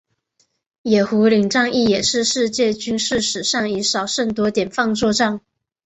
野狐岭战役也是世界军事史上以少胜多典范作战。